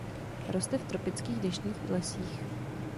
Roste v tropických deštných lesích.